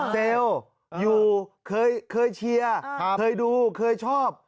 เจลอยู่เคยเชียร์เคยดูเคยชอบ